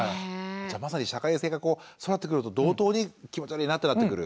じゃまさに社会性がこう育ってくると同等に気持ち悪いなってなってくる。